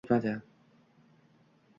Bizning jamiyat yana oddiy sinovdan o'tmadi